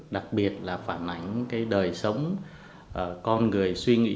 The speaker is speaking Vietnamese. đặc biệt là phản ảnh cái đời sống con người suy nghĩ